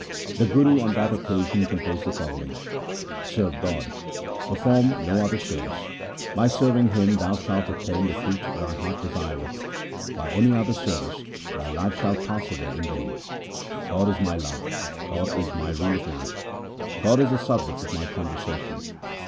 The Guru on that occasion composed the following: — Serve God ; perform no other service. By serving Him thou shalt obtain the fruit thy heart desireth ; by any other service thy life shall pass away in vain. God is my love, God is my rule of life, God is the subject of my conversation.